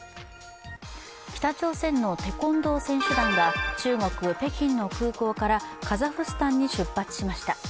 北朝鮮のテコンドー選手団が中国・北京の空港からカザフスタンに出発しました。